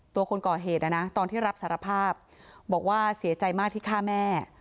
คนก่อเหตุนะนะตอนที่รับสารภาพบอกว่าเสียใจมากที่ฆ่าแม่